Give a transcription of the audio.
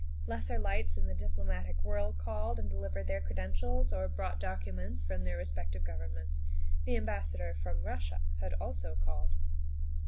Lesser lights in the diplomatic world called and delivered their credentials or brought docu ments from their respective Governments. The Am bassador from Russia had also called.